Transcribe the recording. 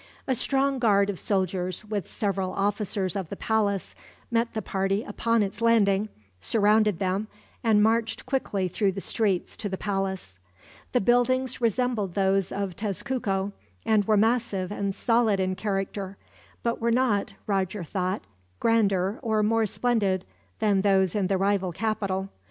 A strong guard of soldiers, with several officers of the palace, met the party upon its landing, surrounded them, and marched quickly through the streets to the palace. The buildings resembled those of Tezcuco, and were massive and solid in character; but were not, Roger thought, grander or more splendid than those in the rival capital.